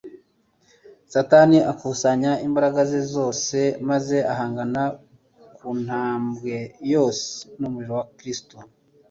Satani akusanya imbaraga ze zose, maze ahangana ku ntambwe yose n'umurimo wa Kristo.